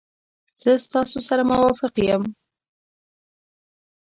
زه ستاسو سره موافق یم.